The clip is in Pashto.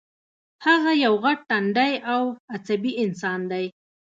هغه یو غټ ټنډی او عصبي انسان دی